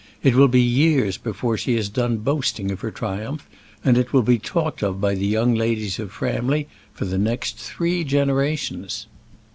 It will be years before she has done boasting of her triumph, and it will be talked of by the young ladies of Framley for the next three generations."